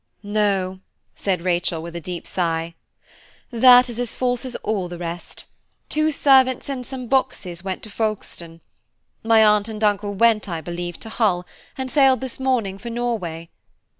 "No," said Rachel with a deep sigh, "that is as false as all the rest. Two servants and some boxes went to Folkestone. My uncle and aunt went, I believe, to Hull, and sailed this morning for Norway.